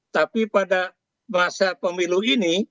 tapi pada masa pemilu ini